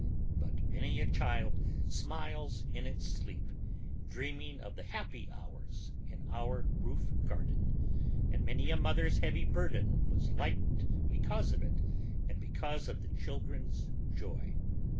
But many a child smiles in its sleep, dreaming of the happy hours in our roof garden, and many a mother's heavy burden was lightened because of it and because of the children's joy.